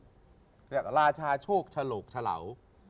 เรียกว่าราชาโชคชะหลกชะเหล่า